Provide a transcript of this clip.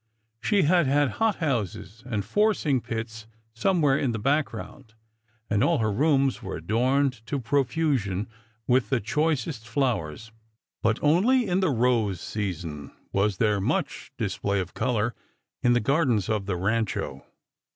She had her hot houses and forcing pits somewhere in the background, and all her rooms were adorned to profusion with the choicest Howers ; but only in the rose season was there much display of colour in the P'lrdens of the Eancho.